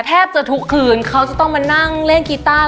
แทบจะทุกคืนเขาจะต้องมานั่งเล่นกีต้า